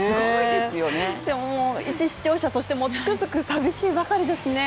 一視聴者としてもつくづく寂しいかぎりですね。